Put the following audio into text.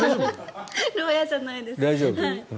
牢屋じゃないです。